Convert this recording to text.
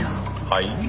はい？